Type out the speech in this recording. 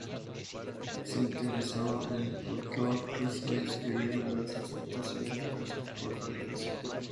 Se interesó en el folclor ruso y escribió numerosas imitaciones de canciones folclóricas.